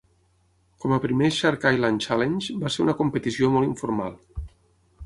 Com a primer Shark Island Challenge, va ser una competició molt informal.